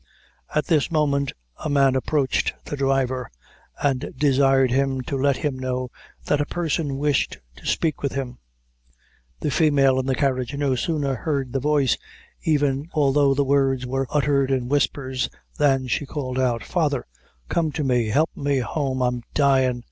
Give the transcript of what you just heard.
At this moment a man approached the driver, and desired him to let him know that a person wished to speak with him. The female in the carriage no sooner heard the voice, even although the words were uttered in whispers, than she called out "Father, come to me help me home I'm dyin'!